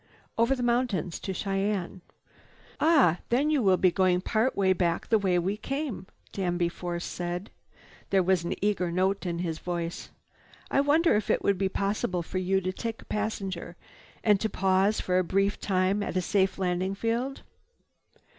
"Over the mountains to Cheyenne." "Ah, then you will be going part way back the way we came," Danby Force said. There was an eager note in his voice. "I wonder if it would be possible for you to take a passenger and to pause for a brief time at a safe landing field?"